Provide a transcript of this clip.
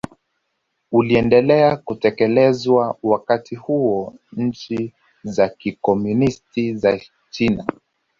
uliendelea kutekelezwa Wakati huo nchi za kikomunisti za China